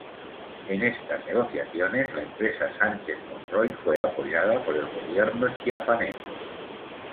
En estas negociaciones, la empresa Sánchez Monroy fue apoyada por el gobierno chiapaneco.